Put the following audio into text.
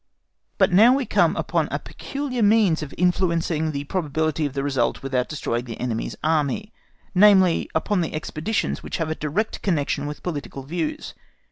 But now we come upon a peculiar means of influencing the probability of the result without destroying the enemy's Army, namely, upon the expeditions which have a direct connection with political views.